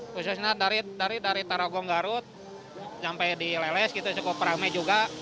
khususnya dari taragong garut sampai di leles gitu cukup ramai juga